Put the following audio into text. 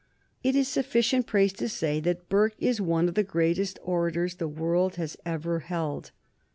It is sufficient praise to say that Burke is one of the greatest orators the world has ever held.